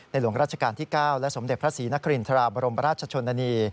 หลวงราชการที่๙และสมเด็จพระศรีนครินทราบรมราชชนนานี